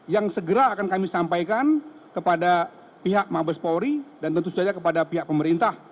yang segera akan kami sampaikan kepada pihak mabes polri dan tentu saja kepada pihak pemerintah